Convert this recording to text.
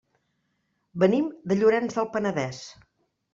Venim de Llorenç del Penedès.